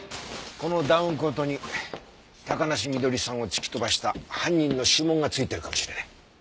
このダウンコートに高梨翠さんを突き飛ばした犯人の指紋が付いてるかもしれない。